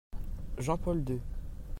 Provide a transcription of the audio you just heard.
Jean-Paul II.